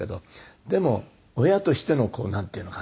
でも親としてのこうなんていうのかな。